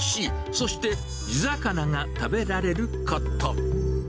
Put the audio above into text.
そして、地魚が食べられること。